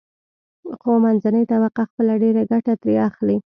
خو منځنۍ طبقه خپله ډېره ګټه ترې اخلي.